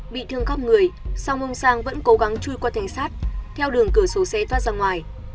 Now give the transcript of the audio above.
bị thương khóp người song ông sang vẫn cố gắng chui qua thanh sát theo đường cửa sổ xe thoát ra ngoài